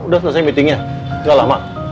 udah selesai meetingnya sudah lama